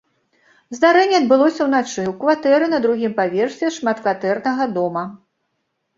Здарэнне адбылося ўначы ў кватэры на другім паверсе шматкватэрнага дома.